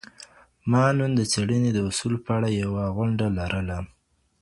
ما نن د څېړني د اصولو په اړه یوه غونډه لرله.